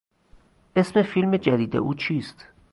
اسم فیلم جدید او چیست؟